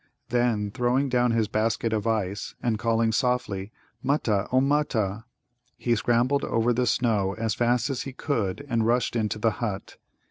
Then, throwing down his basket of ice, and calling softly, "Mutta, O Mutta!" he scrambled over the snow as fast as he could and rushed into the hut.